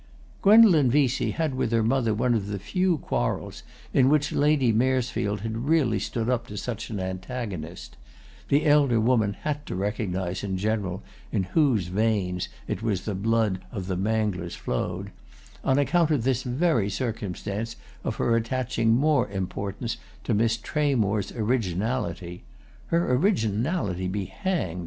Gwendolen Vesey had with her mother one of the few quarrels in which Lady Maresfield had really stood up to such an antagonist (the elder woman had to recognise in general in whose veins it was that the blood of the Manglers flowed) on account of this very circumstance of her attaching more importance to Miss Tramore's originality ("Her originality be hanged!"